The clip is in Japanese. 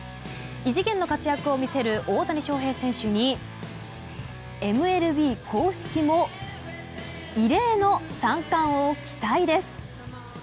異次元の活躍を見せる大谷翔平選手にＭＬＢ公式も異例の三冠王期待です。